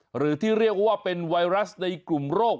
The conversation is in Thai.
หรือที่เรียกว่าเป็นไวรัสในกลุ่มโรค